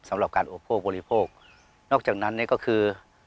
สำหรับการอุปโภคบริโภคนอกจากนั้นเนี่ยก็คือ